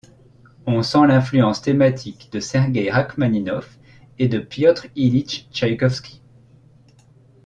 On sent l'influence thématique de Sergueï Rachmaninov et de Piotr Ilitch Tchaïkovski.